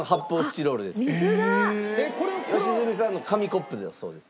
良純さんの紙コップだそうです。